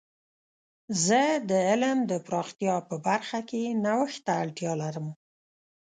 زه د علم د پراختیا په برخه کې نوښت ته اړتیا لرم.